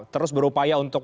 terus berupaya untuk